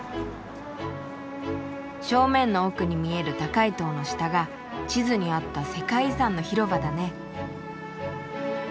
正面の奥に見える高い塔の下が地図にあった世界遺産の広場だね。